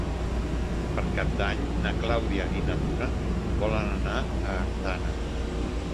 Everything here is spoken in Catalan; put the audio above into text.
Per Cap d'Any na Clàudia i na Duna volen anar a Artana.